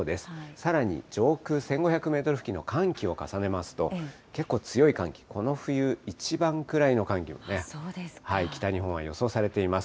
さらに上空１５００メートル付近の寒気を重ねますと、結構強い寒気、この冬一番くらいの寒気をね、北日本は予想されています。